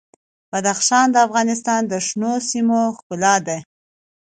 بدخشان د افغانستان د شنو سیمو ښکلا ده.